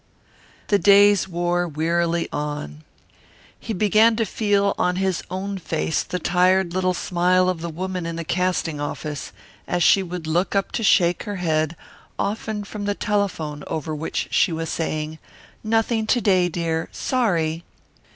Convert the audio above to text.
The days wore wearily on. He began to feel on his own face the tired little smile of the woman in the casting office as she would look up to shake her head, often from the telephone over which she was saying: "Nothing to day, dear. Sorry!"